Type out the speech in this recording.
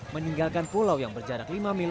meninggalkan pulau yang berjarak lima meter